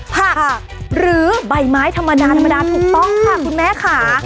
ผักหรือใบไม้ธรรมดาธรรมดาถูกต้องค่ะคุณแม่ค่ะ